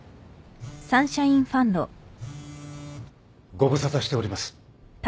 ご無沙汰しております。